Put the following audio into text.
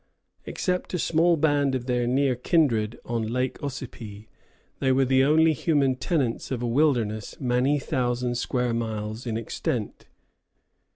Except a small band of their near kindred on Lake Ossipee, they were the only human tenants of a wilderness many thousand square miles in extent.